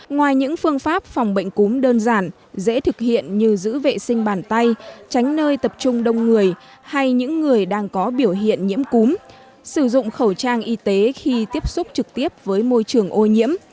ngoài những phương pháp phòng bệnh cúm đơn giản dễ thực hiện như giữ vệ sinh bàn tay tránh nơi tập trung đông người hay những người đang có biểu hiện nhiễm cúm sử dụng khẩu trang y tế khi tiếp xúc trực tiếp với môi trường ô nhiễm